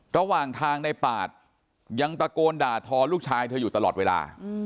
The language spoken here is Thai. ระหว่างทางในปาดยังตะโกนด่าทอลูกชายเธออยู่ตลอดเวลา